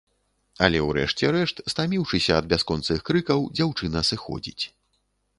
Але ў рэшце рэшт, стаміўшыся ад бясконцых крыкаў, дзяўчына сыходзіць.